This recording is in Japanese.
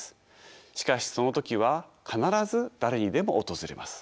しかしその時は必ず誰にでも訪れます。